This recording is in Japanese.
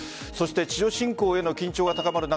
地上侵攻への緊張が高まる中